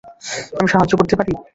আমি সাহায্য করতে পারি?